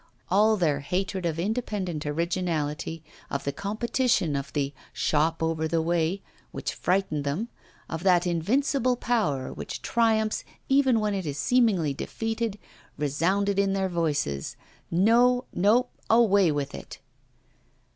All their hatred of independent originality, of the competition of the 'shop over the way,' which frightened them, of that invincible power which triumphs even when it is seemingly defeated, resounded in their voices. No, no; away with it!